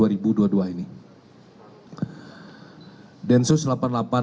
pres rilis dari densus delapan puluh delapan terkait dengan update perkembangan terbaru yang akan disampaikan